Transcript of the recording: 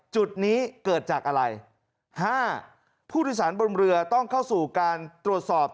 จุดนี้เกิดจากอะไร๕ผู้โดยสารบนเรือต้องเข้าสู่การตรวจสอบ